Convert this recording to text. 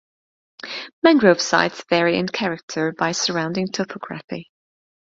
Mangrove sites vary in character by surrounding topography.